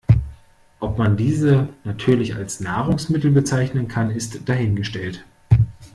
Ob man diese natürlich als Nahrungsmittel bezeichnen kann, ist dahingestellt.